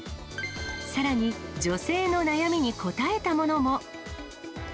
さらに、女性の悩みに応えたものも。